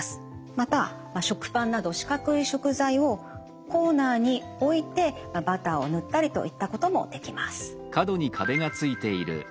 また食パンなど四角い食材をコーナーに置いてバターを塗ったりといったこともできます。